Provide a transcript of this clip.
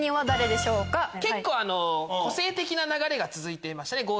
個性的な流れが続いてましたねＧＯ！